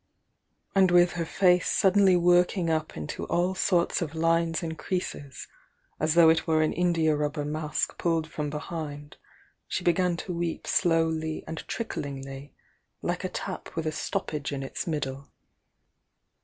And with her face suddenly working up into all sorts of lines and creases as though it were an india rubber mask pulled from behind, she began to weep slowly and tricklingly, like a tap with a stoppage in its middle.